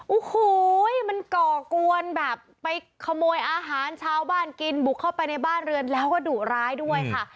โอ้โหมันก่อกวนแบบไปขโมยอาหารชาวบ้านกินบุกเข้าไปในบ้านเรือนแล้วก็ดุร้ายด้วยค่ะ